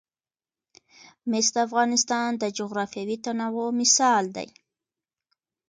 مس د افغانستان د جغرافیوي تنوع مثال دی.